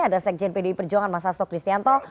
ada sekjen pdi perjuangan mas hasto kristianto